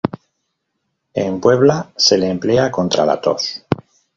En Puebla se le emplea contra la tos.